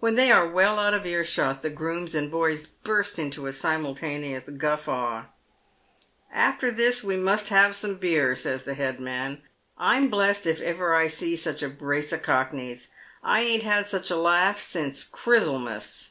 When they are well out of ear shot the gi'ooms and boys burst into a simultaneous guffaw. " After this we must have some beer," says the head man. " I'm blest if ever I see such a brace o' cockneys. I ain't had such a laugh since Chrizzlemas."